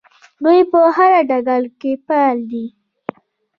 دوی په هر ډګر کې فعالې دي.